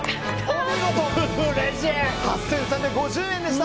お見事、８３５０円でした！